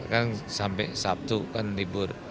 kan sampai sabtu kan libur